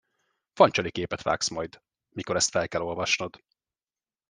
Fancsali képet vágsz majd, mikor ezt fel kell olvasnod.